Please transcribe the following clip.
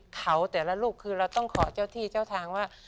เขาแต่ละลูกคือเราต้องขอเจ้าที่เจ้าทางว่า